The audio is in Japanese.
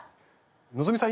希さん